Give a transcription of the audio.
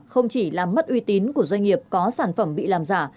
không chỉ làm mất uy tín của doanh nghiệp có sản phẩm bị làm giả